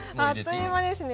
あっという間ですね。